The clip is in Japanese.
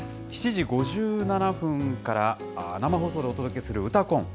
７時５７分から生放送でお届けする、うたコン。